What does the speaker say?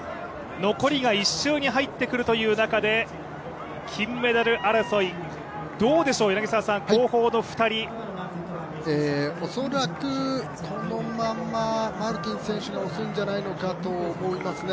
残りが１周に入ってくるという中で金メダル争い、どうでしょう、恐らく、このまんまマルティン選手が押すんじゃないかと思いますね。